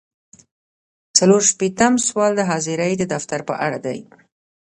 څلور شپیتم سوال د حاضرۍ د دفتر په اړه دی.